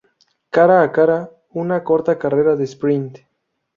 Cara a Cara: Una corta carrera de sprint.